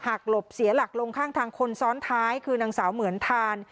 หลบเสียหลักลงข้างทางคนซ้อนท้ายคือนางสาวเหมือนทาน